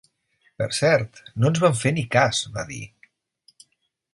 Per cert, no ens van fer ni cas, va dir.